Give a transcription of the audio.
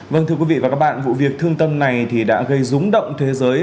vâng thưa quý vị và các bạn vụ việc thương tâm này thì đã gây rúng động thế giới